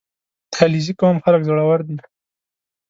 • د علیزي قوم خلک زړور دي.